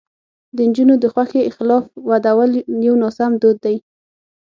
د نجونو د خوښې خلاف ودول یو ناسم دود دی.